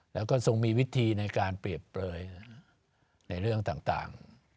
และก็มีวิธีการเปรียบเปิยในเรื่องต่าง